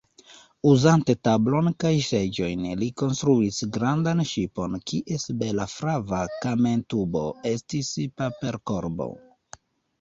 Uzante tablon kaj seĝojn, li konstruis grandan ŝipon, kies bela flava kamentubo estis paperkorbo.